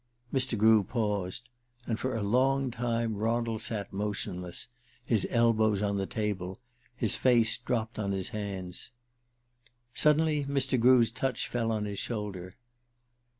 Mr. Grew paused, and for a long time Ronald sat motionless, his elbows on the table, his face dropped on his hands. Suddenly Mr. Grew's touch fell on his shoulder.